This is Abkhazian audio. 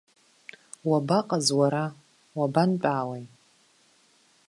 Уабаҟаз, уара, уабантәаауеи?